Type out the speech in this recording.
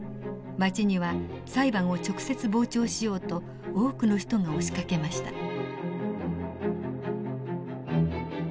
町には裁判を直接傍聴しようと多くの人が押しかけました。